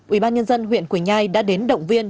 ủy ban nhân dân huyện quỳnh nhai đã đến động viên